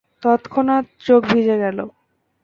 তৎক্ষণাৎ চোখ ভিজে গেল।